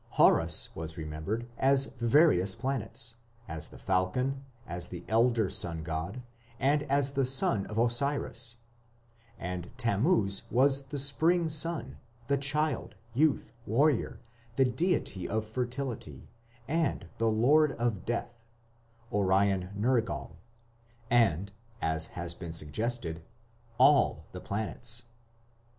Horus was remembered as various planets as the falcon, as the elder sun god, and as the son of Osiris; and Tammuz was the spring sun, the child, youth, warrior, the deity of fertility, and the lord of death (Orion Nergal), and, as has been suggested, all the planets.